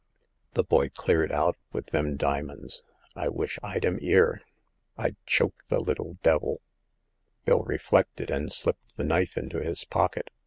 The boy cleared out with them dimins. I wish I'd 'im 'ere ! I'd choke the little d— 1 !" Bill reflected, and slipped the knife into his pocket.